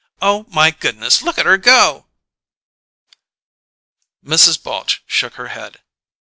Oh, my goodness, look at 'er go!" Mrs. Balche shook her head.